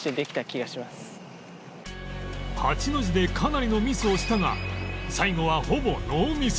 ８の字でかなりのミスをしたが最後はほぼノーミス